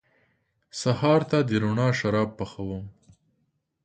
سهار ته د روڼا شراب پخوم